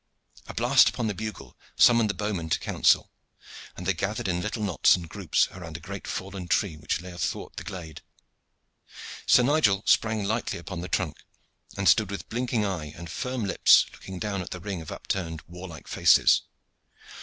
A blast upon the bugle summoned the bowmen to counsel, and they gathered in little knots and groups around a great fallen tree which lay athwart the glade. Sir Nigel sprang lightly upon the trunk, and stood with blinking eye and firm lips looking down at the ring of upturned warlike faces.